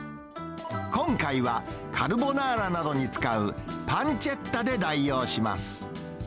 今回は、カルボナーラなどに使うパンチェッタで代用します。